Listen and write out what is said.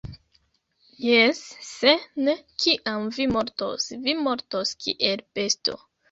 Jes! Se ne, kiam vi mortos, vi mortos kiel besto